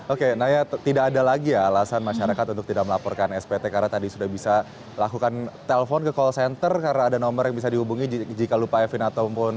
oke naya tidak ada lagi ya alasan masyarakat untuk tidak melaporkan spt karena tadi sudah bisa lakukan telpon ke call center karena ada nomor yang bisa dihubungi jika lupa fin ataupun